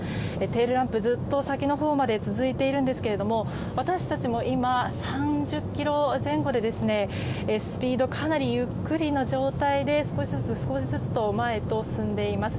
テールランプずっと先のほうまで続いているんですけど私たちも今、３０キロ前後でスピードかなりゆっくりの状態で少しずつ、少しずつ前へと進んでいます。